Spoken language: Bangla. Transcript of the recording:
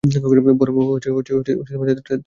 বরং তাতে ত্রুটি করেছ।